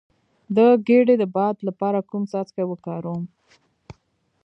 د ګیډې د باد لپاره کوم څاڅکي وکاروم؟